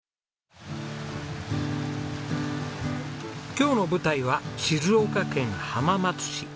今日の舞台は静岡県浜松市。